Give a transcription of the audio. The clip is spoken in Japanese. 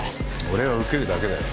俺は受けるだけだよ。